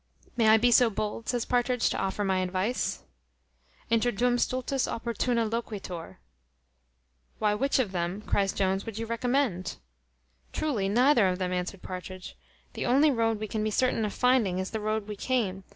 "May I be so bold," says Partridge, "to offer my advice? Interdum stultus opportuna loquitur" "Why, which of them," cries Jones, "would you recommend?" "Truly neither of them," answered Partridge. "The only road we can be certain of finding, is the road we came.